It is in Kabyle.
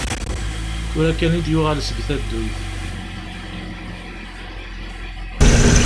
Tura kan i d-yuɣal seg tadduyt.